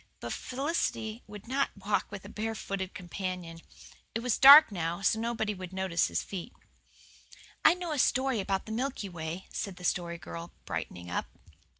But Felicity would not walk with a barefooted companion. It was dark now, so nobody would notice his feet. "I know a story about the Milky Way," said the Story Girl, brightening up.